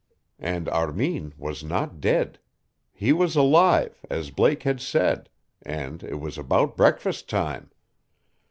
And Armin was not dead. He was alive, as Blake had said and it was about breakfast time.